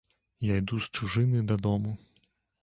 Я іду з чужыны дадому.